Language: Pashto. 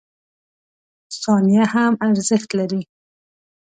• ثانیه هم ارزښت لري.